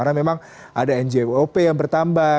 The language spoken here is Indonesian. atau memang ada njwop yang bertambah